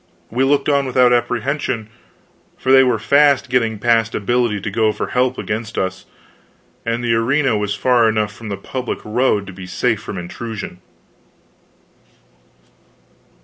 We looked on without apprehension, for they were fast getting past ability to go for help against us, and the arena was far enough from the public road to be safe from intrusion.